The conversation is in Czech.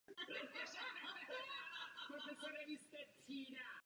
Jinak vypukne zmatek.